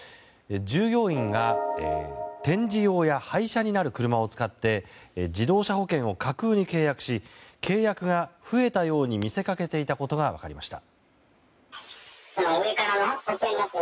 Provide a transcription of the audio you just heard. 従業員が展示用や廃車になる車を使って自動車保険を架空に契約し契約が増えたように見せかけていたことが分かりました。